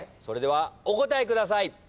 それではお答えください。